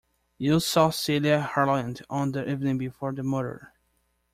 You saw Celia Harland on the evening before the murder.